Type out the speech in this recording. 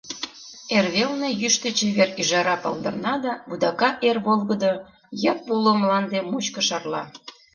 Эрвелне йӱштӧ чевер ӱжара палдырна да вудака эр волгыдо йып уло мланде мучко шарла.